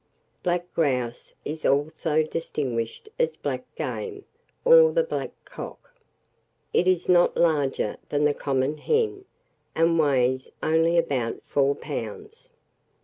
Black grouse is also distinguished as black game, or the black cock. It is not larger than the common hen, and weighs only about four pounds.